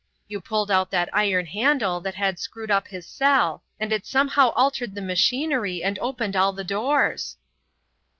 You pulled out that iron handle that had screwed up his cell, and it somehow altered the machinery and opened all the doors."